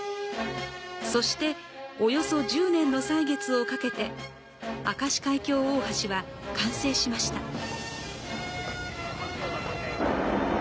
そして約１０年の歳月をかけて明石海峡大橋は完成しました。